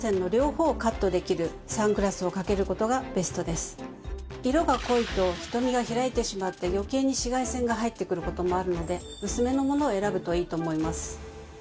では色が濃いと瞳が開いてしまって余計に紫外線が入ってくる事もあるので薄めのものを選ぶといいと思います。